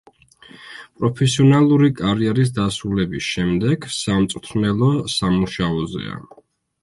პროფესიონალური კარიერის დასრულების შემდეგ სამწვრთნელო სამუშაოზეა.